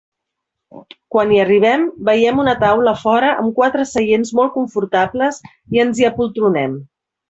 Quan hi arribem, veiem una taula a fora amb quatre seients molt confortables i ens hi apoltronem.